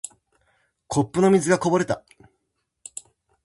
コップの水がこぼれた。